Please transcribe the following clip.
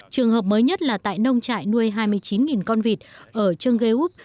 trường hợp mới nhất là tại nông trại nuôi hai mươi chín con vịt ở trương ghê úc